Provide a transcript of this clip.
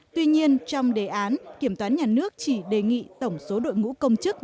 tuy nhiên trong đề án kiểm toán nhà nước chỉ đề nghị tổng số đội ngũ công chức